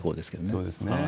そうですね。